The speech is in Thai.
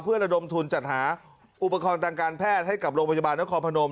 เพื่อระดมทุนจัดหาอุปกรณ์ทางการแพทย์ให้กับโรงพยาบาลนครพนม